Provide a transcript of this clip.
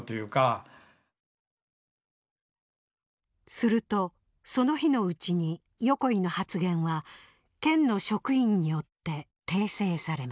するとその日のうちに横井の発言は県の職員によって訂正されます。